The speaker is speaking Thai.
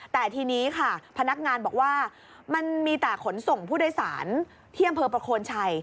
แต่ทีนี้ค่ะพนักงานบอกว่ามันมีแต่ขนส่งผู้โดยสารที่อำเภอประโคนชัย